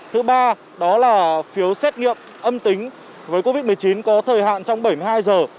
thứ ba đó là phiếu xét nghiệm âm tính với covid một mươi chín có thời hạn trong bảy mươi hai giờ